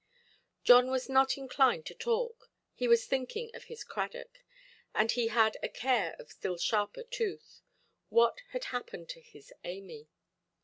John was not inclined to talk: he was thinking of his Cradock, and he had a care of still sharper tooth—what had happened to his Amy?